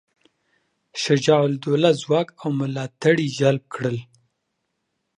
شجاع الدوله ځواک او ملاتړي جلب کړل.